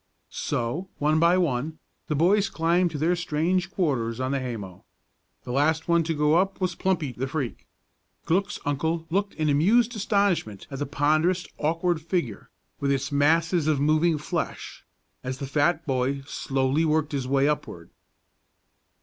So, one by one, the boys climbed to their strange quarters on the haymow. The last one to go up was Plumpy the Freak. Glück's uncle looked in amused astonishment at the ponderous, awkward figure, with its masses of moving flesh, as the fat boy slowly worked his way upward.